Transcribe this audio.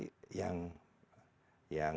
memang itu tidak hingga satu hukuman